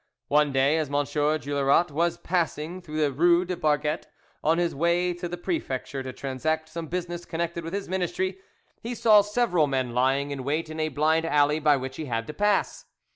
One day, as M. Juillerat was passing through the rue des Barquettes on his way to the prefecture to transact some business connected with his ministry, he saw several men lying in wait in a blind alley by which he had to pass.